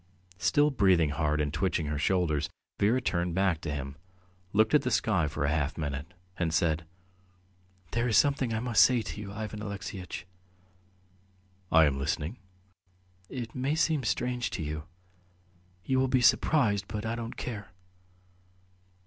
Still breathing hard and twitching her shoulders, Vera turned her back to him, looked at the sky for half a minute, and said: "There is something I must say to you, Ivan Alexeyitch. ..." "I am listening." "It may seem strange to you. ... You will be surprised, but I don't care.